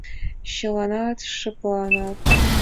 Чыланат шыпланат.